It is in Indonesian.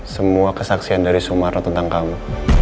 semua kesaksian dari sumarno tentang kamu